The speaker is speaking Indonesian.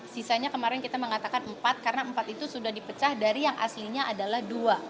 sisanya kemarin kita mengatakan empat karena empat itu sudah dipecah dari yang aslinya adalah dua